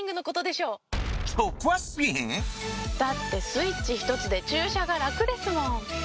だってスイッチひとつで駐車が楽ですもん。